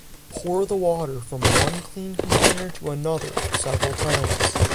pour the water from one clean container to another several times.